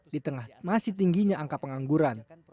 di tengah masih tingginya angka pengangguran